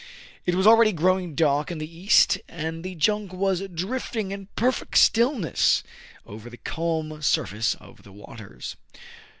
It was already growing dark in the east, and the junk was drifting in perfect stillness over the calm surface of the waters.